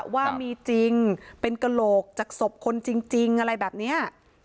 ว่ามีจริงเป็นกระโหลกจากศพคนจริงอะไรแบบนี้